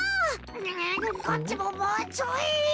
ううこっちももうちょい。